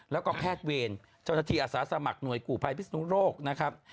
แล้วก็แพทย์เวรเจ้าหน้าที่อาสาสมัครหน่วยกู่ภัยพิศนุโรคนะครับ